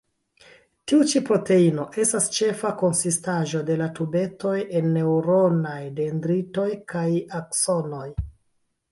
Tiu ĉi proteino estas ĉefa konsistaĵo de la tubetoj en neŭronaj dendritoj kaj aksonoj.